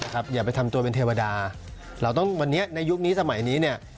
อย่าไปทำตัวเป็นเทวดาเราต้องวันนี้ในยุคนี้สมัยนี้เนี่ย